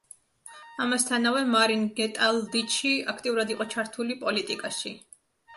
ამასთანავე, მარინ გეტალდიჩი, აქტიურად იყო ჩართული პოლიტიკაში.